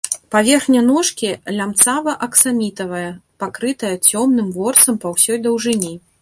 Паверхня ножкі лямцава-аксамітавая, пакрытая цёмным ворсам па ўсёй даўжыні.